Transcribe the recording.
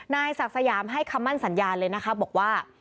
นายศักดิ์สยามให้คำมั่นสัญญาเลยนะคะบอกว่า